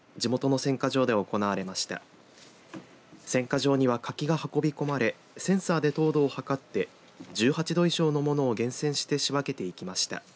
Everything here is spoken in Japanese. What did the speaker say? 選果場には柿が運び込まれセンサーで糖度を測って１８度以上のものを厳選して仕分けていきました。